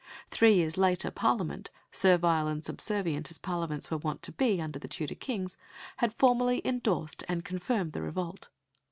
Three years later Parliament, servile and subservient as Parliaments were wont to be under the Tudor Kings, had formally endorsed and confirmed the revolt.